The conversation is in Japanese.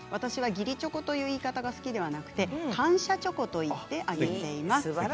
義理チョコという言い方が好きではなくて感謝チョコと言ってあげています。